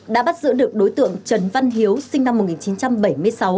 đã bắt giữ được đối tượng trần văn hiếu sinh năm một nghìn chín trăm bảy mươi sáu